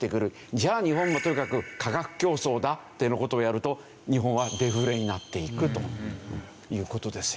じゃあ日本もとにかく価格競争だっていうような事をやると日本はデフレになっていくという事ですよね。